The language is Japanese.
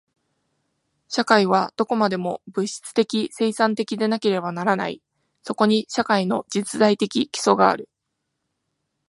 社会はどこまでも物質的生産的でなければならない。そこに社会の実在的基礎がある。